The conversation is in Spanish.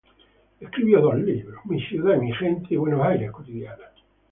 Escribió dos libros: "Mi ciudad y mi gente" y "Buenos Aires cotidiana".